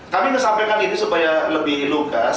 kami ngesampaikan ini supaya lebih lugas